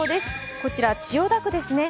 こちらは千代田区ですね。